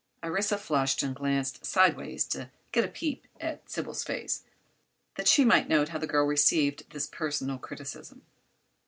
Orissa flushed and glanced sidewise to get a peep at Sybil's face, that she might note how the girl received this personal criticism.